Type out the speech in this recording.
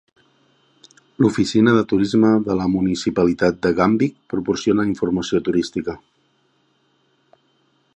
L'oficina de turisme de la municipalitat de Gamvik proporciona informació turística.